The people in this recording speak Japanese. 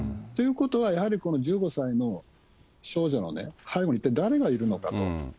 ということは、やはりこの１５歳の少女のね、背後に一体誰がいるのかと。